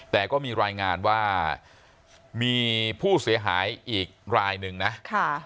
แต่ก็มีรายงานว่ามีผู้เสียหายอีกรายหนึ่งนะค่ะ